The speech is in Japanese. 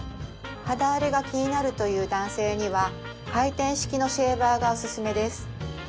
肌荒れが気になるという男性には回転式のシェーバーがおすすめです